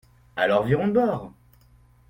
Alors virons de bord.